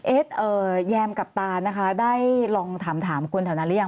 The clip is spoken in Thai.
เอ๊ดแยมกับตานได้ลองถามกับคุณแถวนั้นรึยัง